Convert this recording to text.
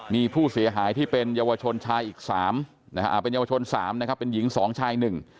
มีผู้เสียหายที่เป็นเยาวชนชายอีก๓เป็นเยาวชน๓นะครับเป็นหญิง๒ชาย๑